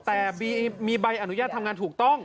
แต่มีใบอนุญาตทำงานถูกต้อง